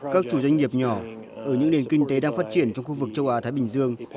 các chủ doanh nghiệp nhỏ ở những nền kinh tế đang phát triển trong khu vực châu á thái bình dương